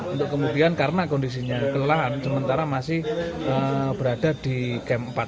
untuk kemudian karena kondisinya kelelahan sementara masih berada di kem empat